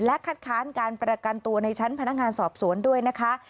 คัดค้านการประกันตัวในชั้นพนักงานสอบสวนด้วยนะคะ